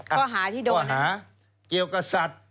ข้อหาที่โดนหาเกี่ยวกับสัตว์